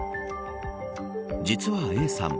実はＡさん